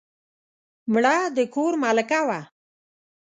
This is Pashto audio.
مړه د کور ملکه وه